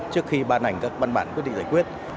trước khi ban hành các văn bản quyết định giải quyết